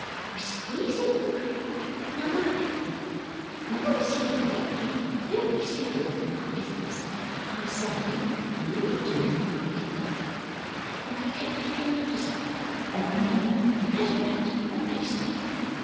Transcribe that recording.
I squeeze among the crowd, and I look about me. When I see a great lady very suitable for my business, I say "You'll do, my dear!" and I take particular notice of her, and run home and cut her out and baste her.